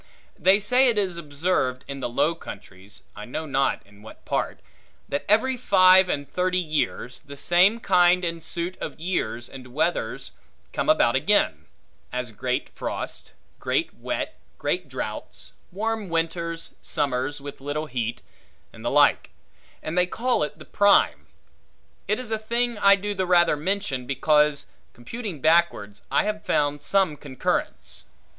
They say it is observed in the Low Countries (I know not in what part) that every five and thirty years, the same kind and suit of years and weathers come about again; as great frosts, great wet, great droughts, warm winters, summers with little heat, and the like; and they call it the Prime. It is a thing I do the rather mention, because, computing backwards, I have found some concurrence.